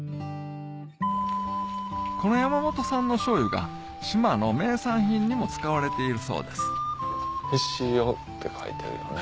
この山本さんの醤油が島の名産品にも使われているそうです「ひしお」って書いてるよね。